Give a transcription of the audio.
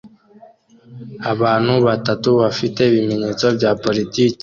Abantu batatu bafite ibimenyetso bya politiki